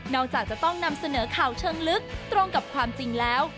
จากจะต้องนำเสนอข่าวเชิงลึกตรงกับความจริงแล้ว